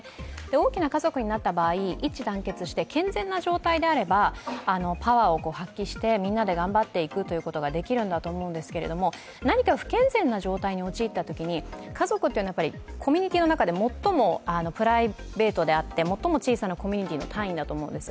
大きな家族になった場合、一致団結して健全な状態であればパワーを発揮してみんなで頑張っていくということができるんだと思うんですけれども、何か不健全な状態に陥ったときに、家族というのはコミュニティーの中で最もプライベートであって最も小さなコミュニティーの単位だと思うんです。